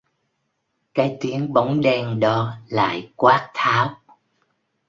cái tiếng bóng đen đó lại quát tháo